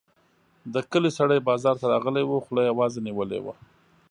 د کلي سړی بازار ته راغلی وو؛ خوله يې وازه نيولې وه.